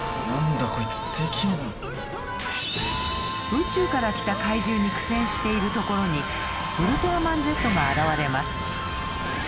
宇宙から来た怪獣に苦戦しているところにウルトラマンゼットが現れます。